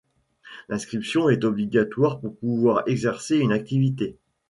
L'inscription était obligatoire pour pouvoir exercer une activité.